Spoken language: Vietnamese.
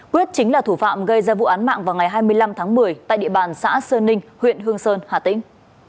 quyết chính là thủ phạm gây ra vụ án mạng vào ngày hai mươi năm tháng một mươi tại địa bàn xã sơn ninh huyện hương sơn hà tĩnh